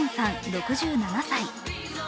６７歳。